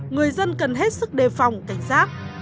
người dân cần hết sức đề phòng cảnh giác